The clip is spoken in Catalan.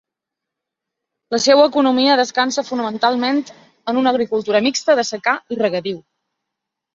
La seua economia descansa fonamentalment en una agricultura mixta de secà i regadiu.